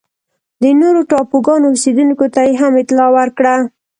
د نورو ټاپوګانو اوسېدونکو ته یې هم اطلاع ورکړه.